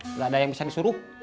nggak ada yang bisa disuruh